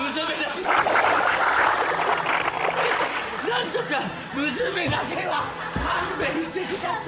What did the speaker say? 何とか娘だけは勘弁してください！